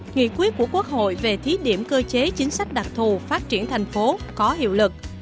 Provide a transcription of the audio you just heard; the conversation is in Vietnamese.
nghị quyết của quốc hội về thí điểm cơ chế chính sách đặc thù phát triển thành phố có hiệu lực